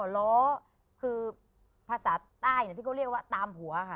อ๋อล้อคือภาษาใต้เนี่ยที่เขาเรียกว่าตามผัวค่ะ